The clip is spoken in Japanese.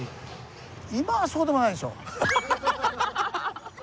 今はそうでもないでしょ。